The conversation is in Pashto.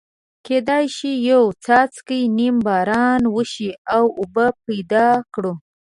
کېدای شي یو څاڅکی نیم باران وشي او اوبه پیدا کړو.